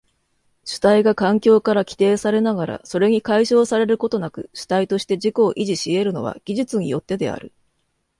主体が環境から規定されながらそれに解消されることなく主体として自己を維持し得るのは技術によってである。